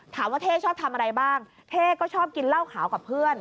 เท่ชอบทำอะไรบ้างเท่ก็ชอบกินเหล้าขาวกับเพื่อน